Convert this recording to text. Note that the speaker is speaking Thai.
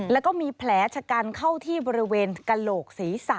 แล้วก็มีแผลชะกันเข้าที่บริเวณกระโหลกศีรษะ